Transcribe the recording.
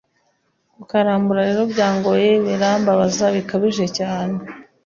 kukarambura rero byarangoye birambabaza bikabije cyane